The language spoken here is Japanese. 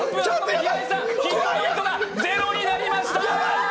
平井さん、ヒットポイントが０になりました。